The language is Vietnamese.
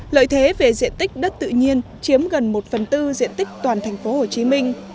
lợi thế về diện tích đất tự nhiên chiếm gần một phần tư diện tích toàn thành phố hồ chí minh